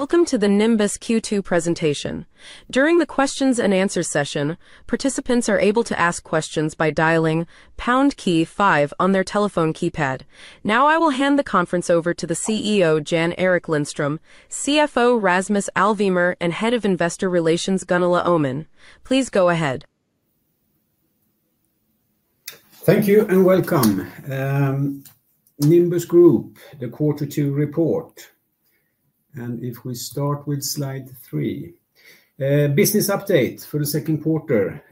Welcome to the Nimbus Q2 presentation. During the questions and answers session, participants are able to ask questions by dialing pound key five on their telephone keypad. Now, I will hand the conference over to the CEO Jan-Erik Lindström, CFO Rasmus Alvemyr, and Head of Investor Relations Gunilla Öhman. Please go ahead. Thank you and welcome. Nimbus Group, the Q2 report. If we start with Sllide 3, business update for the second quarter.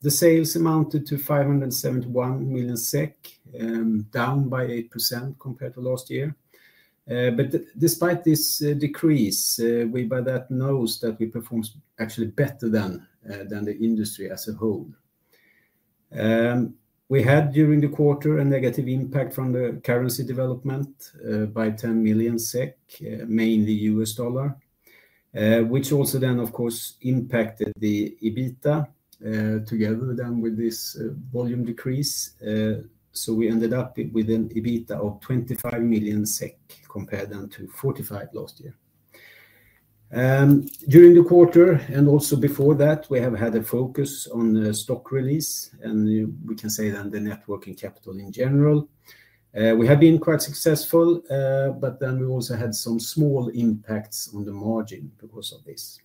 The sales amounted to 571 million SEK, down by 8% compared to last year. Despite this decrease, we by that knows that we performed actually better than the industry as a whole. We had during the quarter a negative impact from the currency development by 10 million SEK, mainly U.S. dollar, which also then, of course, impacted the EBITDA together with this volume decrease. We ended up with an EBITDA of 25 million SEK compared then to 45 million last year. During the quarter and also before that, we have had a focus on stock release, and we can say then the networking capital in general. We have been quite successful, but we also had some small impacts on the margin because of this.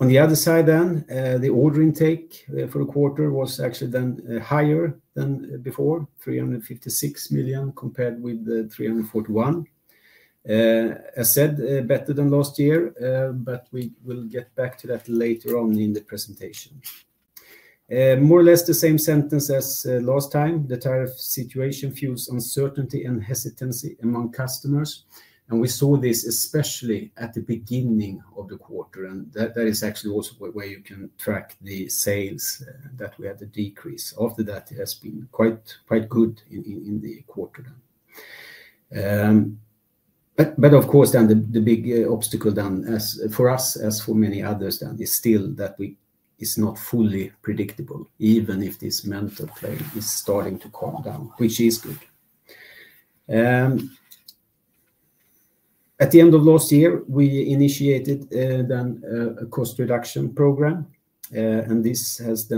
On the other side, the order intake for the quarter was actually then higher than before, 356 million compared with the 341 million. As I said, better than last year, but we will get back to that later on in the presentation. More or less the same sentence as last time, the tariff situation fuels uncertainty and hesitancy among customers. We saw this especially at the beginning of the quarter. That is actually also where you can track the sales that we had to decrease. After that, it has been quite good in the quarter. Of course, the big obstacle for us, as for many others, is still that it's not fully predictable, even if this mental play is starting to calm down, which is good. At the end of last year, we initiated a cost reduction program, and this has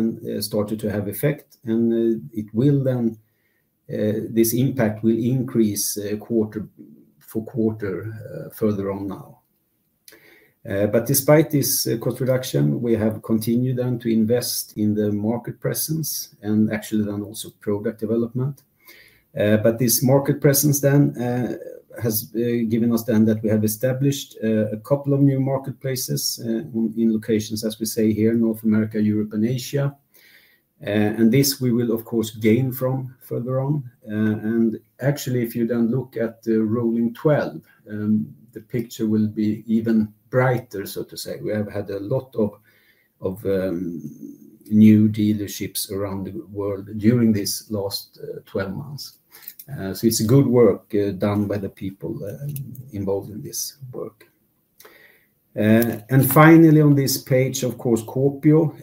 started to have effect. This impact will increase quarter for quarter further on now. Despite this cost reduction, we have continued to invest in the market presence and actually also product development. This market presence has given us that we have established a couple of new marketplaces in locations, as we say here, North America, Europe, and Asia. This we will, of course, gain from further on. Actually, if you then look at the rolling 12, the picture will be even brighter, so to say. We have had a lot of new dealerships around the world during these last 12 months. It's a good work done by the people involved in this work. Finally, on this page, of course, Scorpio,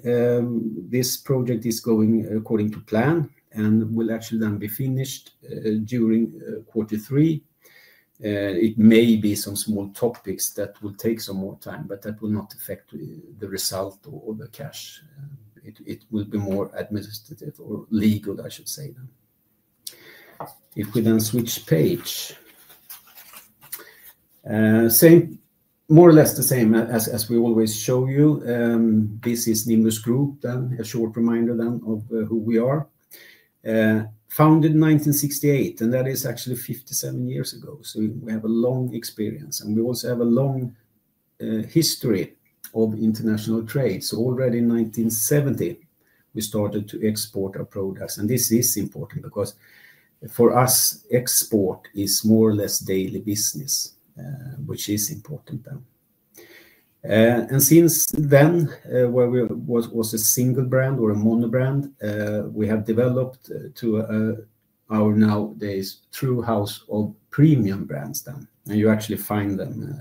this project is going according to plan and will actually then be finished during Q3. It may be some small topics that will take some more time, but that will not affect the result or the cash. It will be more administrative or legal, I should say then. If we then switch page, more or less the same as we always show you. This is Nimbus Group, then a short reminder then of who we are. Founded in 1968, and that is actually 57 years ago. We have a long experience and we also have a long history of international trade. Already in 1970, we started to export our products. This is important because for us, export is more or less daily business, which is important then. Since then, where we was a single brand or a mono brand, we have developed to our nowadays true house of premium brands then. You actually find them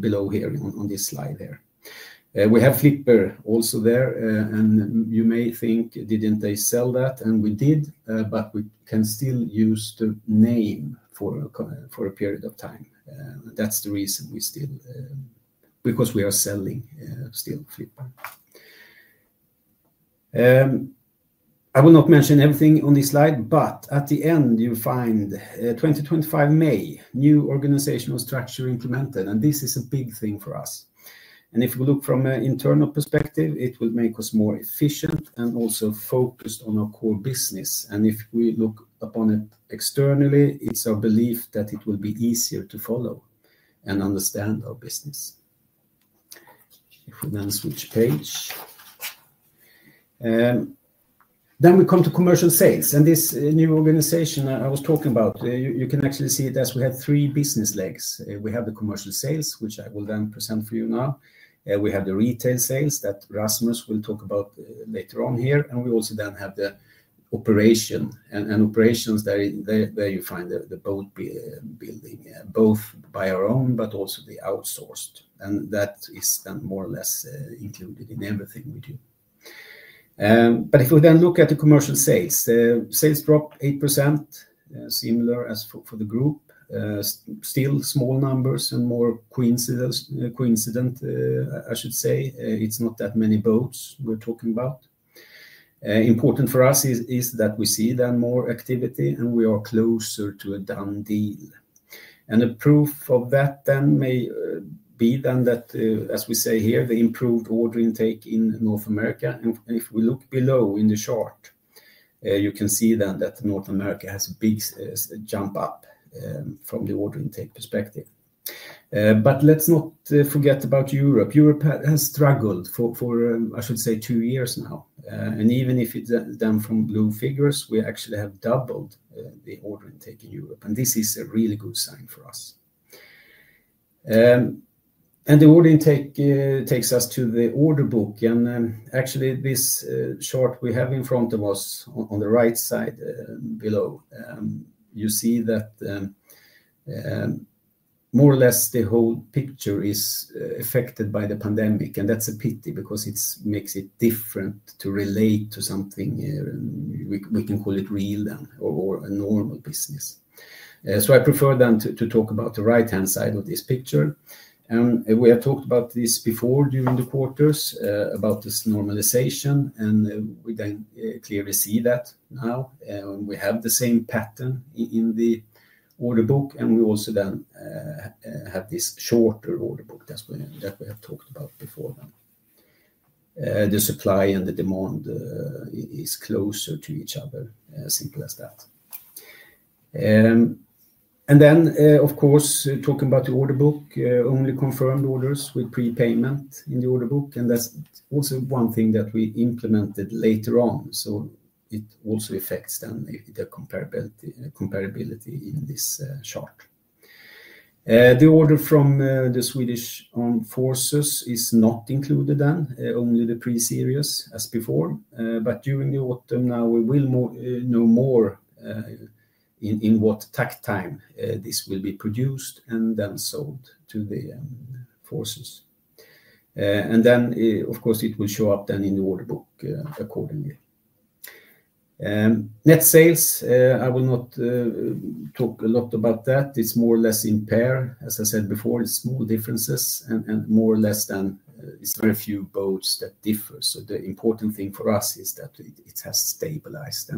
below here on this slide here. We have Flipper also there, and you may think, didn't they sell that? We did, but we can still use the name for a period of time. That's the reason we still, because we are selling still Flipper. I will not mention everything on this slide, but at the end, you find 2025 May, new organizational structure implemented. This is a big thing for us. If we look from an internal perspective, it will make us more efficient and also focused on our core business. If we look upon it externally, it's our belief that it will be easier to follow and understand our business. If we then switch page, then we come to commercial sales. This new organization I was talking about, you can actually see it as we have three business legs. We have the commercial sales, which I will then present for you now. We have the retail sales that Rasmus will talk about later on here. We also then have the operation and operations that you find the boat building, both by our own, but also the outsourced. That is then more or less in everything we do. If we then look at the commercial sales, sales drop 8%, similar as for the group. Still small numbers and more coincident, I should say. It's not that many boats we're talking about. Important for us is that we see then more activity and we are closer to a done deal. A proof of that then may be then that, as we say here, the improved order intake in North America. If we look below in the chart, you can see then that North America has a big jump up from the order intake perspective. Let's not forget about Europe. Europe has struggled for, I should say, two years now. Even if it's down from low figures, we actually have doubled the order intake in Europe. This is a really good sign for us. The order intake takes us to the order book. This chart we have in front of us on the right side below, you see that more or less the whole picture is affected by the pandemic. That's a pity because it makes it different to relate to something we can call it real then or a normal business. I prefer to talk about the right-hand side of this picture. We have talked about this before during the quarters about this normalization. We can clearly see that now. We have the same pattern in the order book. We also have this shorter order book that we have talked about before. The supply and the demand is closer to each other, as simple as that. Of course, talking about the order book, only confirmed orders with prepayment in the order book. That's also one thing that we implemented later on. It also affects the comparability in this chart. The order from the Swedish Armed Forces is not included, only the pre-series as before. During the autumn now, we will know more in what tact time this will be produced and then sold to the forces. It will show up in the order book accordingly. Net sales, I will not talk a lot about that. It's more or less in pair, as I said before, small differences. More or less, it's very few boats that differ. The important thing for us is that it has stabilized.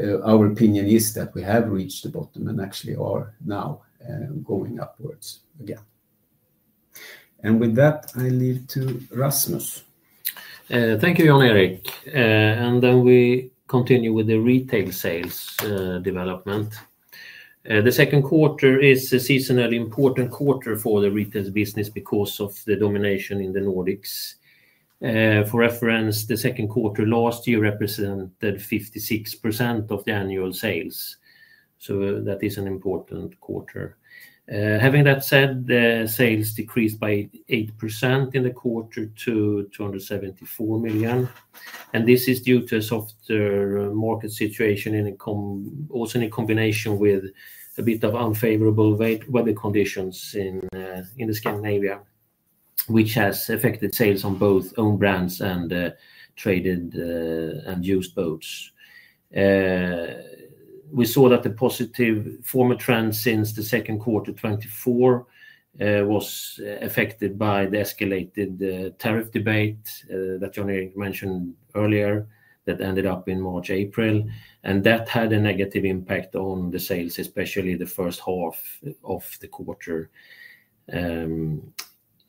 Our opinion is that we have reached the bottom and actually are now going upwards again. With that, I leave to Rasmus. Thank you, Jan-Erik. We continue with the retail sales development. The second quarter is a seasonally important quarter for the retail business because of the domination in the Nordics. For reference, the second quarter last year represented 56% of the annual sales. That is an important quarter. Having that said, sales decreased by 8% in the quarter to 274 million. This is due to a softer market situation in combination with a bit of unfavorable weather conditions in Scandinavia, which has affected sales on both own brands and traded and used boats. We saw that the positive former trend since the second quarter 2024 was affected by the escalated tariff debate that Jan-Erik mentioned earlier that ended up in March, April. That had a negative impact on the sales, especially the first half of the quarter.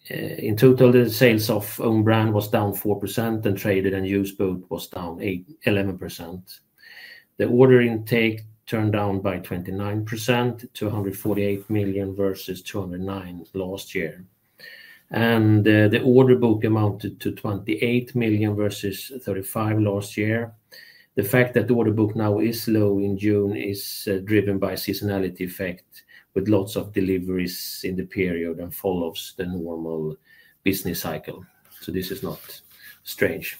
In total, the sales of own brand was down 4% and traded and used boats was down 11%. The order intake turned down by 29% to 148 million versus 209 million last year. The order book amounted to 28 million versus 35 million last year. The fact that the order book now is low in June is driven by seasonality effect with lots of deliveries in the period and follows the normal business cycle. This is not strange.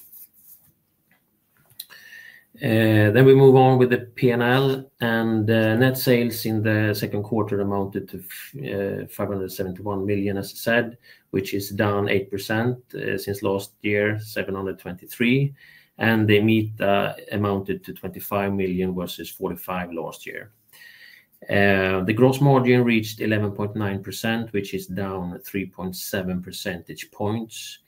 We move on with the P&L. Net sales in the second quarter amounted to 571 million, as I said, which is down 8% since last year, 723 million. The EBITDA amounted to 25 million versus 45 million last year. The gross margin reached 11.9%, which is down 3.7 percentage points.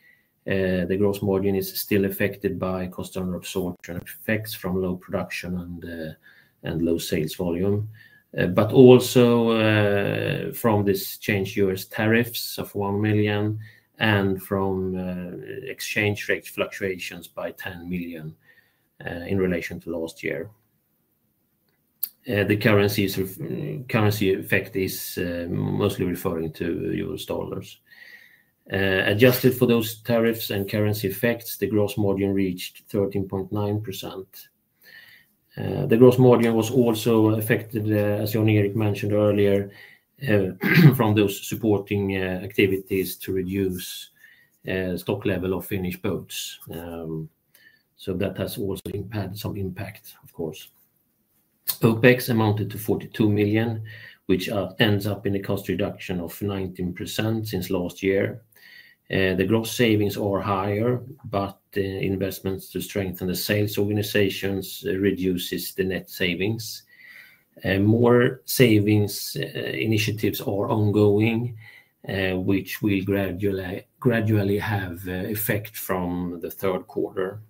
The gross margin is still affected by cost of short-term effects from low production and low sales volume, but also from this change in U.S. tariffs of 1 million and from exchange rate fluctuations by 10 million in relation to last year. The currency effect is mostly referring to U.S. dollars. Adjusted for those tariffs and currency effects, the gross margin reached 13.9%. The gross margin was also affected, as Jan-Erik mentioned earlier, from those supporting activities to reduce stock level of finished boats. That has also had some impact, of course. OpEx amounted to 42 million, which ends up in a cost reduction of 19% since last year. The gross savings are higher, but investments to strengthen the sales organizations reduces the net savings. More savings initiatives are ongoing, which will gradually have effect from the third quarter.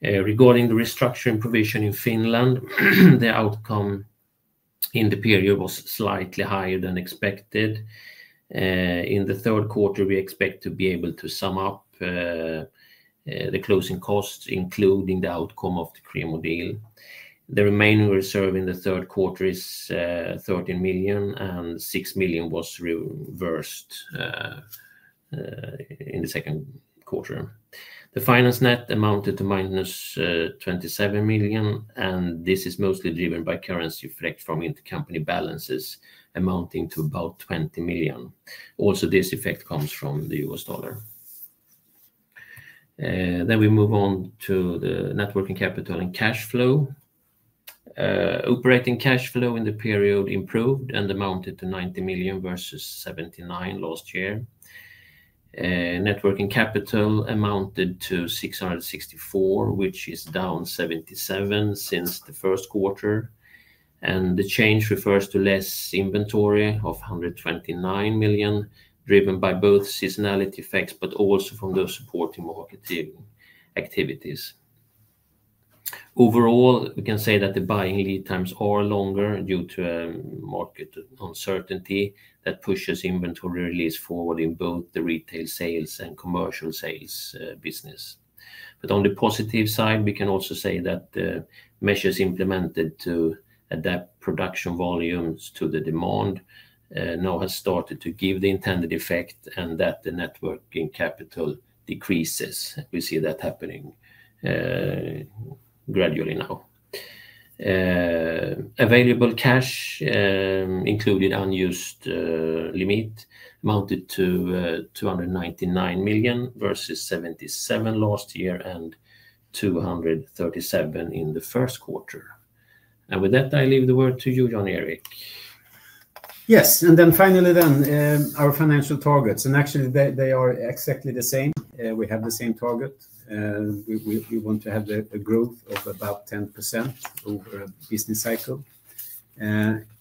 Regarding the restructuring provision in Finland, the outcome in the period was slightly higher than expected. In the third quarter, we expect to be able to sum up the closing costs, including the outcome of the primo deal. The remaining reserve in the third quarter is 13 million, and 6 million was reversed in the second quarter. The finance net amounted to minus 27 million, and this is mostly driven by currency effect from intercompany balances amounting to about 20 million. This effect comes from the U.S. dollar. We move on to the networking capital and cash flow. Operating cash flow in the period improved and amounted to 90 million versus 79 million last year. Networking capital amounted to 664 million, which is down 77 million since the first quarter. The change refers to less inventory of 129 million, driven by both seasonality effects and those supporting market activities. Overall, we can say that the buying lead times are longer due to market uncertainty that pushes inventory release forward in both the retail sales and commercial sales business. On the positive side, we can also say that the measures implemented to adapt production volumes to the demand now have started to give the intended effect and that the networking capital decreases. We see that happening gradually now. Available cash, including unused limit, amounted to 299 million versus 77 million last year and 237 million in the first quarter. With that, I leave the word to you, Jan-Erik. Yes. Finally, our financial targets. Actually, they are exactly the same. We have the same target. We want to have a growth of about 10% over a business cycle.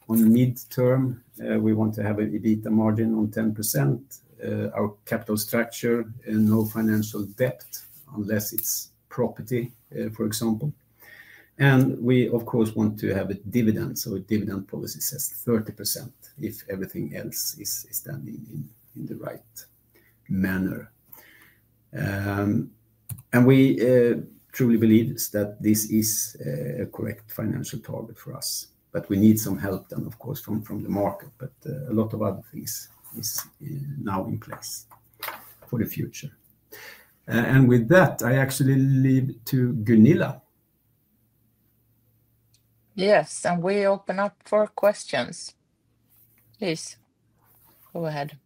On mid-term, we want to have an EBITDA margin of 10%. Our capital structure is no financial debt unless it's property, for example. We, of course, want to have a dividend. A dividend policy says 30% if everything else is standing in the right manner. We truly believe that this is a correct financial target for us. We need some help then, of course, from the market. A lot of other things are now in place for the future. With that, I actually leave to Gunilla. Yes, we open up for questions. Please, go ahead.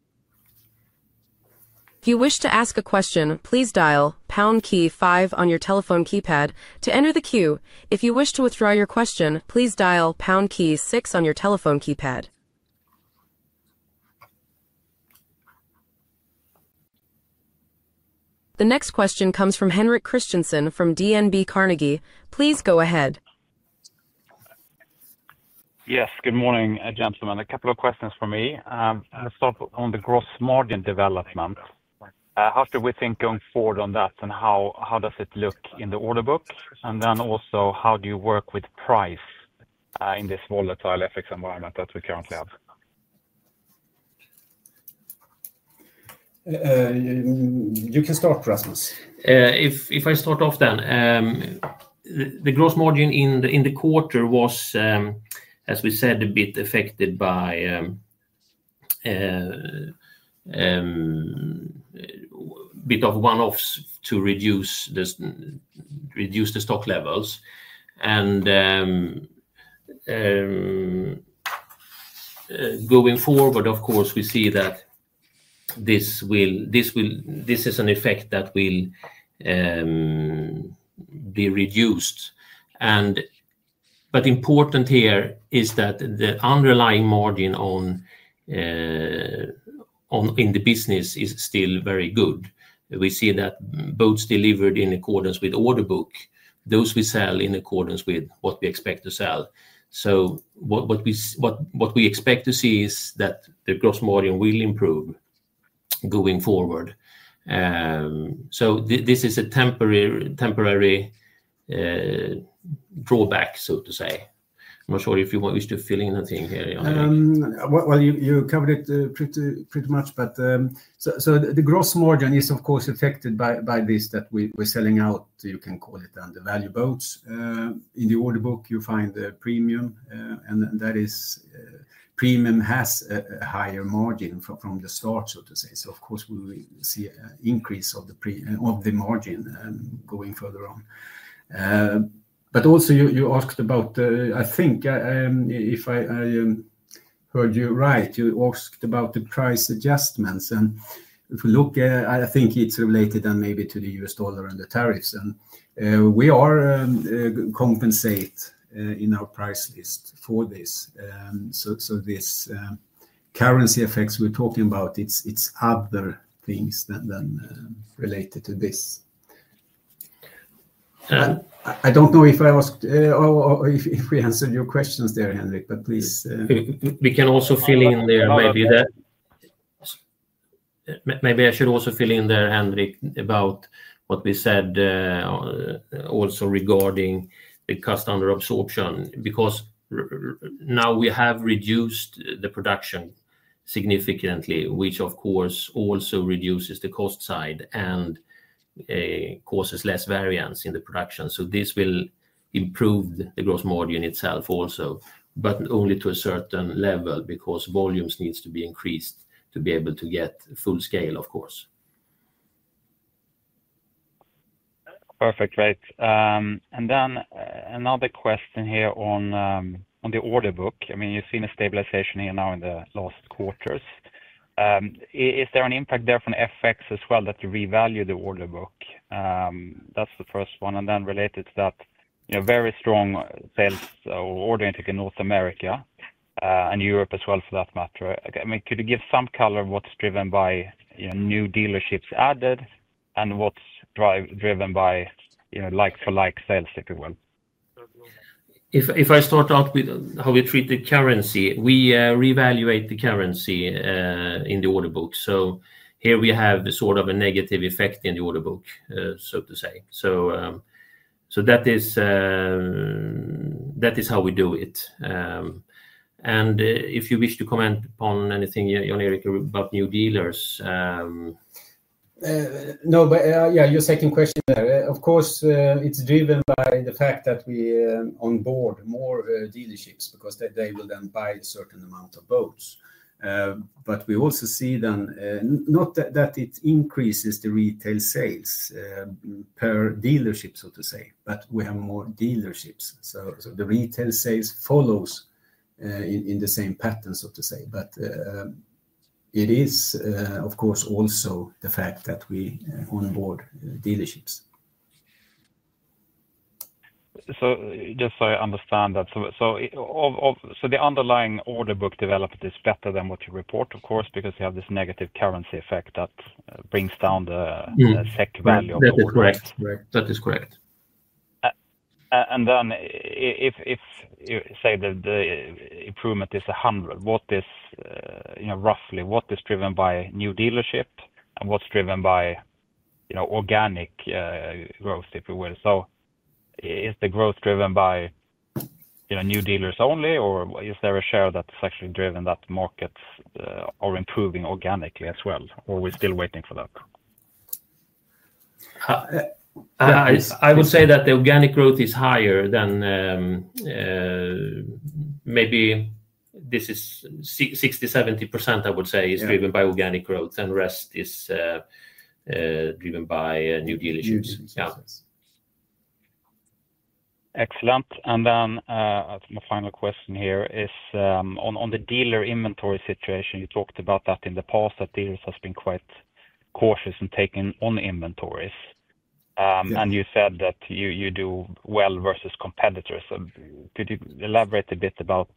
If you wish to ask a question, please dial pound key five on your telephone keypad to enter the queue. If you wish to withdraw your question, please dial pound key six on your telephone keypad. The next question comes from Henriette Christensen from DNB Carnegie. Please go ahead. Yes. Good morning, gentlemen. A couple of questions for me. I'll start on the gross margin development. How do we think going forward on that, and how does it look in the order book? Also, how do you work with price in this volatile FX environment that we currently have? You can start, Rasmus. If I start off then, the gross margin in the quarter was, as we said, a bit affected by a bit of one-offs to reduce the stock levels. Going forward, of course, we see that this is an effect that will be reduced. Important here is that the underlying margin in the business is still very good. We see that boats delivered in accordance with order book, those we sell in accordance with what we expect to sell. What we expect to see is that the gross margin will improve going forward. This is a temporary drawback, so to say. I'm not sure if you wish to fill in anything here. You covered it pretty much. The gross margin is, of course, affected by this that we're selling out, you can call it, undervalued boats. In the order book, you find the premium, and that premium has a higher margin from the start, so to say. Of course, we will see an increase of the margin going further on. You asked about, I think, if I heard you right, you asked about the price adjustments. If we look, I think it's related then maybe to the U.S. dollar and the tariffs. We are compensated in our price list for this. These currency effects we're talking about, it's other things than related to this. I don't know if I asked or if we answered your questions there, Henriette, but please. Maybe I should also fill in there, Jan-Erik, about what we said also regarding the customer absorption. Because now we have reduced the production significantly, which, of course, also reduces the cost side and causes less variance in the production. This will improve the gross margin itself also, but only to a certain level because volumes need to be increased to be able to get full scale, of course. Perfect, great. Another question here on the order book. You've seen a stabilization here now in the last quarters. Is there an impact there from FX as well that you revalue the order book? That's the first one. Related to that, very strong sales or ordering in North America and Europe as well for that matter. Could you give some color of what's driven by new dealerships added and what's driven by like-for-like sales, if you will? If I start out with how we treat the currency, we revaluate the currency in the order book. Here we have sort of a negative effect in the order book, so to say. That is how we do it. If you wish to comment upon anything, Jan-Erik, about new dealers. No, your second question there. Of course, it's driven by the fact that we onboard more dealerships because they will then buy a certain amount of boats. We also see then, not that it increases the retail sales per dealership, so to say, but we have more dealerships. The retail sales follows in the same pattern, so to say. It is, of course, also the fact that we onboard dealerships. Just so I understand that, the underlying order book development is better than what you report, of course, because you have this negative currency effect that brings down the SEK value of the order. That is correct. That is correct. That is correct. If you say that the improvement is 100, roughly, what is driven by new dealership and what's driven by organic growth, if you will? Is the growth driven by new dealers only, or is there a share that's actually driven that markets are improving organically as well, or are we still waiting for that? I would say that the organic growth is higher than maybe this. 60%, 70%, I would say, is driven by organic growth, and the rest is driven by new dealerships. Excellent. My final question here is on the dealer inventory situation. You talked about that in the past, that dealers have been quite cautious in taking on inventories. You said that you do well versus competitors. Could you elaborate a bit about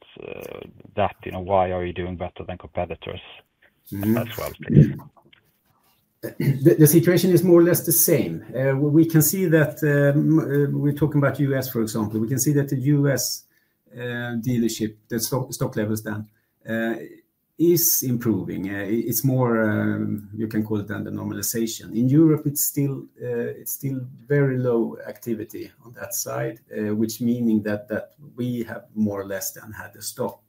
that? You know, why are you doing better than competitors? That's what I was thinking. The situation is more or less the same. We can see that we're talking about the U.S., for example. We can see that the U.S. dealership, the stock levels then, is improving. It's more, you can call it, than the normalization. In Europe, it's still very low activity on that side, which means that we have more or less than had a stock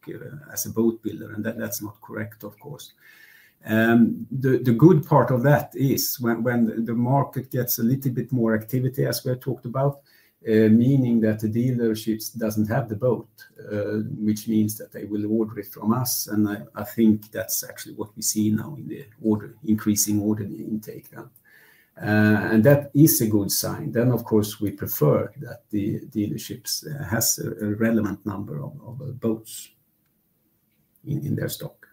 as a boat builder. That's not correct, of course. The good part of that is when the market gets a little bit more activity, as we have talked about, meaning that the dealership doesn't have the boat, which means that they will order it from us. I think that's actually what we see now in the increasing order intake. That is a good sign. Of course, we prefer that the dealership has a relevant number of boats in their stock.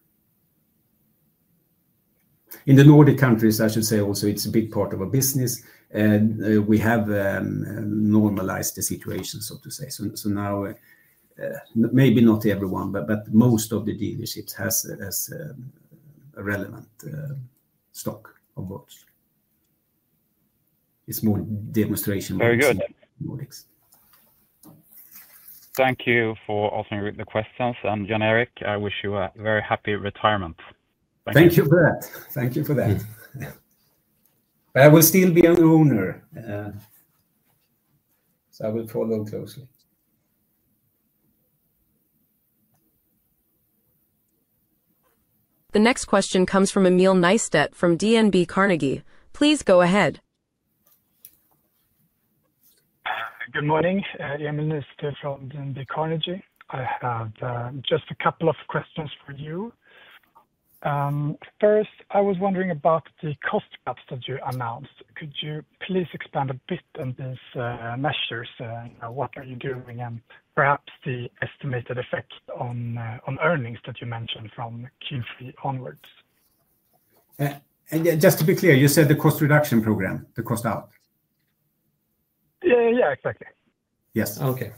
In the Nordics, I should say also, it's a big part of our business. We have normalized the situation, so to say. Now, maybe not everyone, but most of the dealerships have a relevant stock of boats. It's more demonstration. Very good. Nordics. Thank you for answering the questions. Jan-Erik, I wish you a very happy retirement. Thank you for that. I will still be an owner, so I will follow closely. The next question comes from Emil Nystedt from DNB Carnegie. Please go ahead. Good morning, Emil Nystedt from DNB Carnegie. I have just a couple of questions for you. First, I was wondering about the cost cuts that you announced. Could you please expand a bit on these measures? What are you doing? Perhaps the estimated effect on earnings that you mentioned from Q3 onwards. Again, just to be clear, you said the cost reduction program, the cost out? Yeah, exactly. Yes. Okay.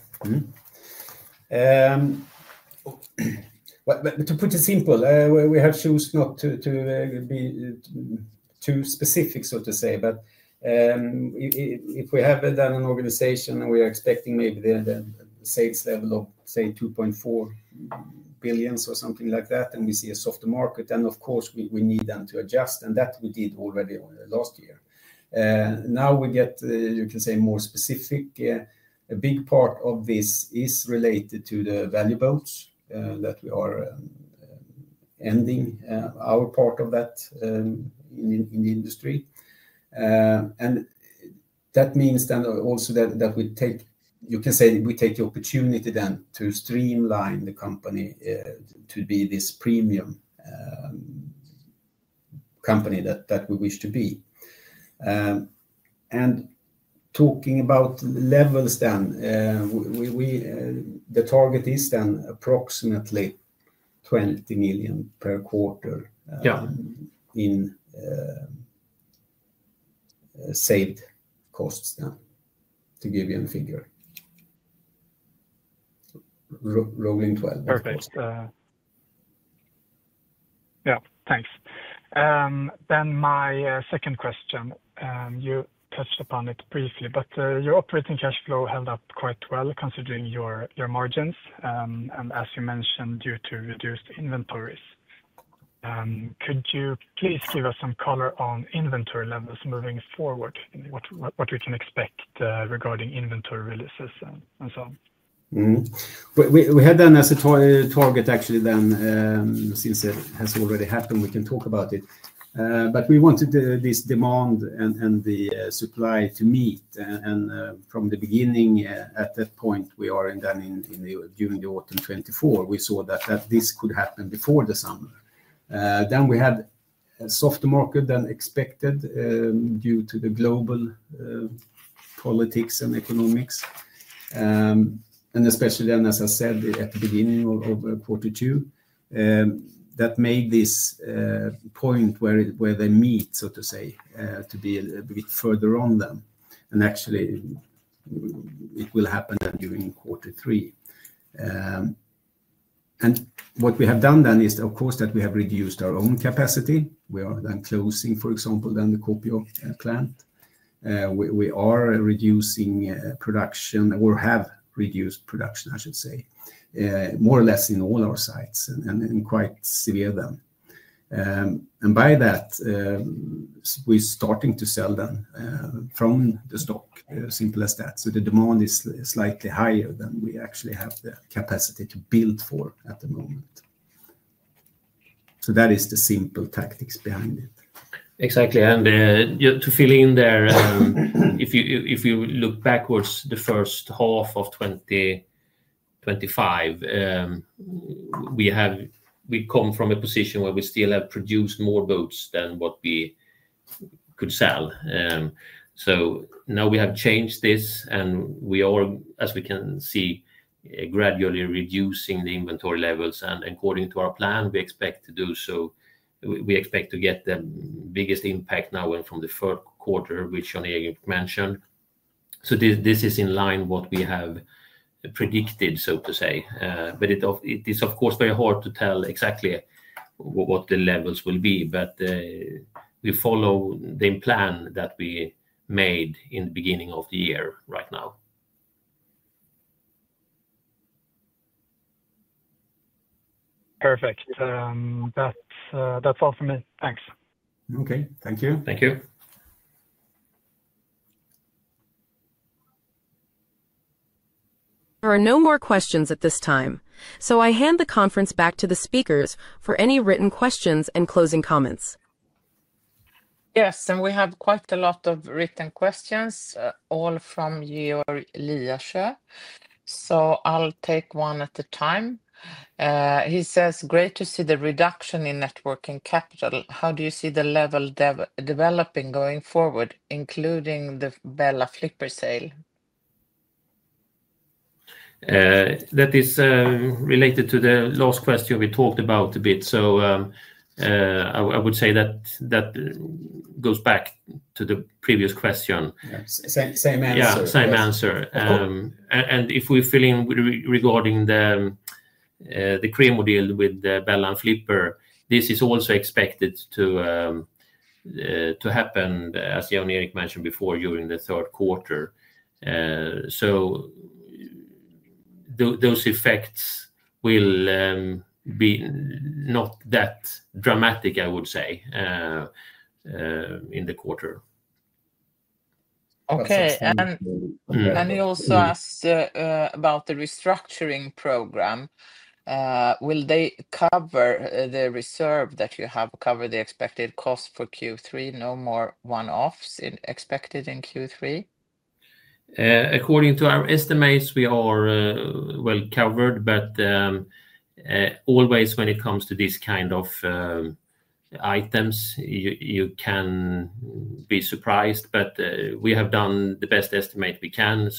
To put it simple, we have chosen not to be too specific, so to say. If we have an organization and we are expecting maybe the sales level of, say, 2.4 billion or something like that, and we see a softer market, of course, we need to adjust. That we did already last year. Now we get, you can say, more specific. A big part of this is related to the value boats that we are ending our part of that in the industry. That means also that we take, you can say, we take the opportunity to streamline the company to be this premium company that we wish to be. Talking about levels, the target is approximately 20 million per quarter in saved costs now, to give you a figure. Rolling 12. That's great. Yeah, thanks. My second question, you touched upon it briefly, but your operating cash flow held up quite well considering your margins. As you mentioned, due to reduced inventories, could you please give us some color on inventory levels moving forward, what we can expect regarding inventory releases and so on? We had then as a target, actually, then, since it has already happened, we can talk about it. We wanted this demand and the supply to meet. From the beginning, at that point, we are in then during the autumn 2024, we saw that this could happen before the summer. We had a softer market than expected due to the global politics and economics. Especially then, as I said, at the beginning of Q2, that made this point where they meet, so to say, to be a bit further on then. Actually, it will happen during Q3. What we have done then is, of course, that we have reduced our own capacity. We are then closing, for example, then the Korpilahti plant. We are reducing production or have reduced production, I should say, more or less in all our sites and quite severe then. By that, we're starting to sell then from the stock, simple as that. The demand is slightly higher than we actually have the capacity to build for at the moment. That is the simple tactics behind it. Exactly. To fill in there, if you look backwards, the first half of 2025, we come from a position where we still have produced more boats than what we could sell. We have changed this, and we are, as we can see, gradually reducing the inventory levels. According to our plan, we expect to do so. We expect to get the biggest impact now from the third quarter, which Jan-Erik mentioned. This is in line with what we have predicted, so to say. It is, of course, very hard to tell exactly what the levels will be. We follow the plan that we made in the beginning of the year right now. Perfect. That's all for me. Thanks. Okay, thank you. Thank you. There are no more questions at this time. I hand the conference back to the speakers for any written questions and closing comments. Yes. We have quite a lot of written questions, all from your Liase. I'll take one at a time. He says, "Great to see the reduction in net working capital. How do you see the level developing going forward, including the Bella Boats and Flipper sale? That is related to the last question we talked about a bit. I would say that goes back to the previous question. Same answer. Yeah, same answer. If we fill in regarding the primo deal with Bella Flipper, this is also expected to happen, as Jan-Erik mentioned before, during the third quarter. Those effects will be not that dramatic, I would say, in the quarter. Okay. He also asks about the restructuring program. Will they cover the reserve that you have covered the expected cost for Q3? No more one-offs expected in Q3? According to our estimates, we are well covered. When it comes to these kind of items, you can be surprised. We have done the best estimate we can.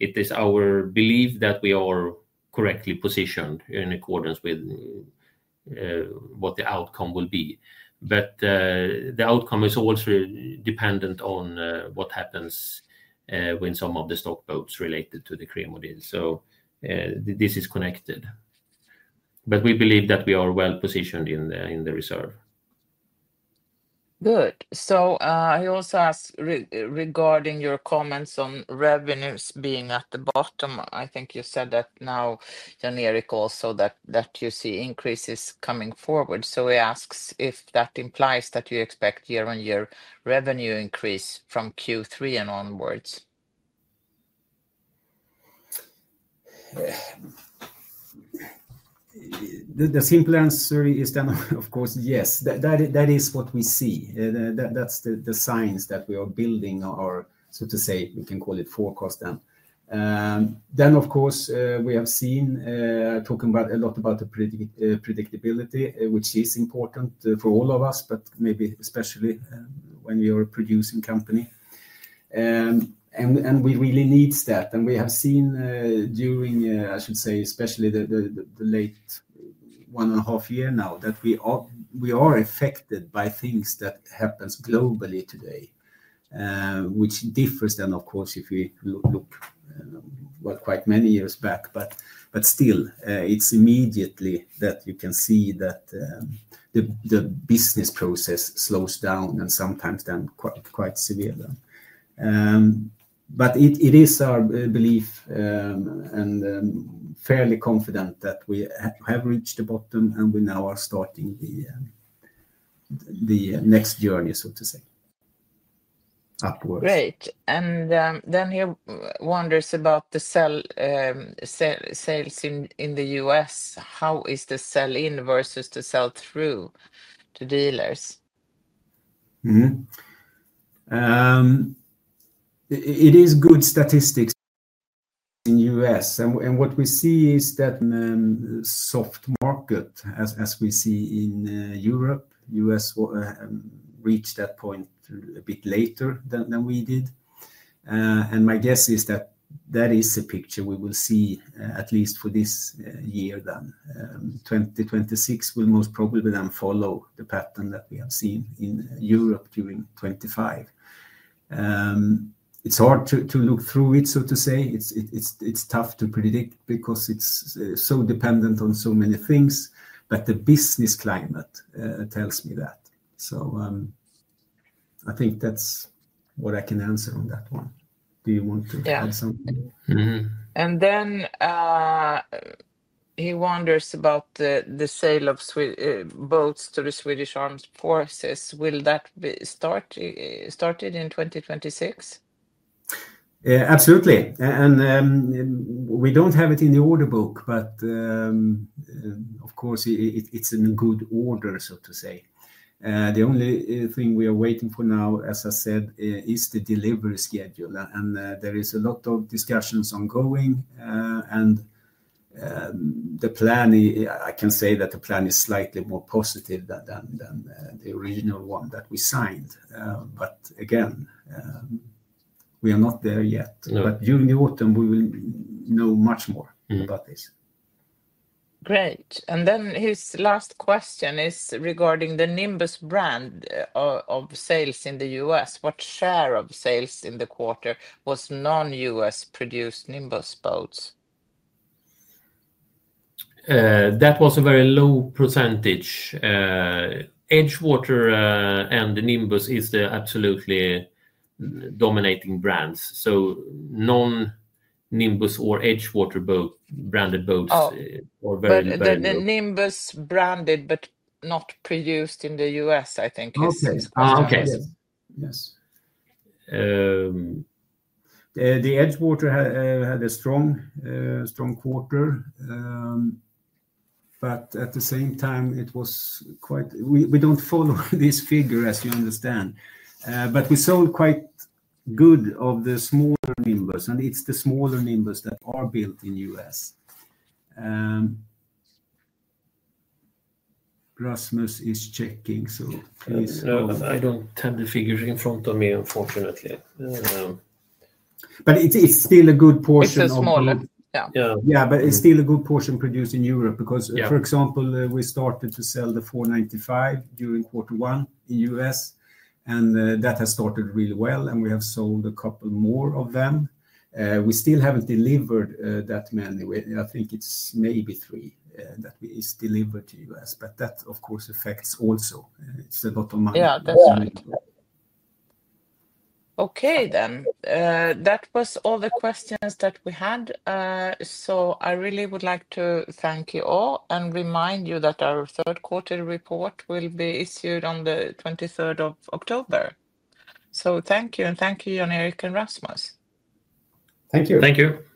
It is our belief that we are correctly positioned in accordance with what the outcome will be. The outcome is also dependent on what happens when some of the stock boats related to the primo deal. This is connected. We believe that we are well positioned in the reserve. Good. He also asks regarding your comments on revenues being at the bottom. I think you said that now, Jan-Erik, also that you see increases coming forward. He asks if that implies that you expect year-on-year revenue increase from Q3 and onwards. The simple answer is then, of course, yes. That is what we see. That's the signs that we are building our, so to say, we can call it forecast then. We have seen talking a lot about the predictability, which is important for all of us, but maybe especially when we are a producing company. We really need that. We have seen during, I should say, especially the late one and a half year now, that we are affected by things that happen globally today, which differs then, of course, if you look quite many years back. Still, it's immediately that you can see that the business process slows down and sometimes then quite severe. It is our belief and fairly confident that we have reached the bottom and we now are starting the next journey, so to say. Great. He wonders about the sales in the U.S. How is the sell-in versus the sell-through to dealers? It is good statistics in the U.S. What we see is that soft market, as we see in Europe. The U.S. reached that point a bit later than we did. My guess is that that is the picture we will see at least for this year then. 2026 will most probably then follow the pattern that we have seen in Europe during 2025. It's hard to look through it, so to say. It's tough to predict because it's so dependent on so many things. The business climate tells me that. I think that's what I can answer on that one. Do you want to add something? He wonders about the sale of boats to the Swedish Armed Forces. Will that start in 2026? Absolutely. We don't have it in the order book, but of course, it's in a good order, so to say. The only thing we are waiting for now, as I said, is the delivery schedule. There are a lot of discussions ongoing. The plan, I can say, is slightly more positive than the original one that we signed. Again, we are not there yet. During the autumn, we will know much more about this. Great. His last question is regarding the Nimbus brand of sales in the U.S. What share of sales in the quarter was non-U.S. produced Nimbus boats? That was a very low percentage. EdgeWater and Nimbus are the absolutely dominating brands. Non-Nimbus or EdgeWater boat branded boats were very low. The Nimbus branded, but not produced in the U.S., I think. Okay. Yes. EdgeWater had a strong quarter. At the same time, it was quite... We don't follow this figure, as you understand. We sold quite good of the smaller Nimbus, and it's the smaller Nimbus that are built in the U.S. Rasmus is checking, so please. I don't have the figures in front of me, unfortunately. It is still a good portion. It's smaller. Yeah, yeah, but it's still a good portion produced in Europe because, for example, we started to sell the 495 during quarter one in the U.S., and that has started really well. We have sold a couple more of them. We still haven't delivered that many. I think it's maybe three that we delivered to the U.S., but that, of course, affects also. It's a lot of money. Yeah, definitely. That was all the questions that we had. I really would like to thank you all and remind you that our third quarter report will be issued on the 23rd of October. Thank you. Thank you, Jan-Erik and Rasmus. Thank you. Thank you.